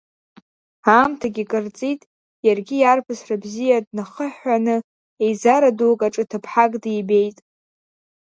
Аамҭагьы кыр ҵит, иаргьы иарԥысра бзиа днахыҳәҳәоны, еизара дук аҿы ҭыԥҳак дибеит.